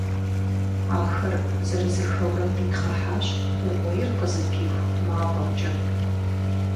Ахэр зырызыххэурэ къитхъыхьащ Iугъуейр къызыпиху мафIэмкIэ.